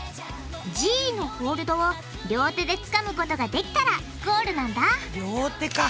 「Ｇ」のホールドを両手でつかむことができたらゴールなんだ両手か。